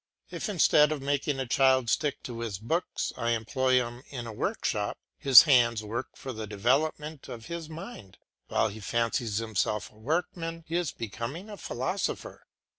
If instead of making a child stick to his books I employ him in a workshop, his hands work for the development of his mind. While he fancies himself a workman he is becoming a philosopher.